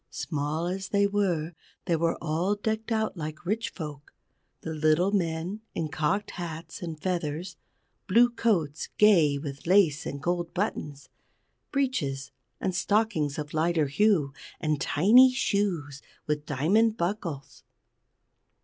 Small as they were, they were all decked out like rich folk, the little men in cocked hats and feathers, blue coats gay with lace and gold buttons, breeches and stockings of lighter hue, and tiny shoes with diamond buckles.